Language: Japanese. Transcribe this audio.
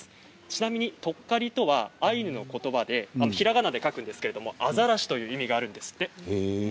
ちなみに、とっかりとはアイヌのことばでひらがなで書くんですけれどアザラシという意味があるんですね。